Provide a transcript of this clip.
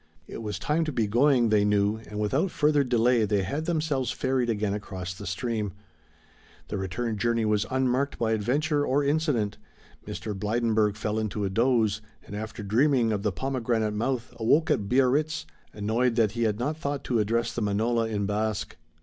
It was time to be going, they knew, and without further delay they had themselves ferried again across the stream. The return journey was unmarked by adventure or incident. Mr. Blydenburg fell into a doze, and after dreaming of the pomegranate mouth awoke at Biarritz, annoyed that he had not thought to address the manola in Basque.